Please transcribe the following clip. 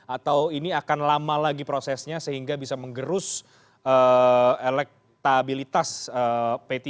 atau ini akan lama lagi prosesnya sehingga bisa mengerus elektabilitas p tiga